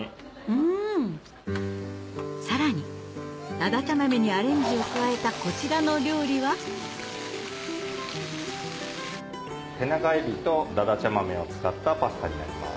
さらにだだちゃ豆にアレンジを加えたこちらの料理は手長海老とだだちゃ豆を使ったパスタになります。